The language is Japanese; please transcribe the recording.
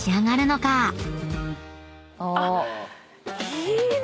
いいね。